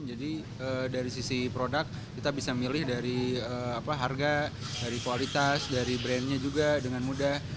jadi dari sisi produk kita bisa milih dari harga dari kualitas dari brandnya juga dengan mudah